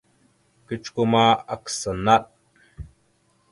Kecikwe ma, akǝsa naɗ a.